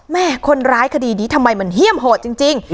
แม่คนร้ายคดีนี้ทำไมมันเฮี่ยมโหดจริง